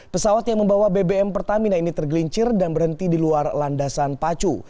pesawat yang membawa bbm pertamina ini tergelincir dan berhenti di luar landasan pacu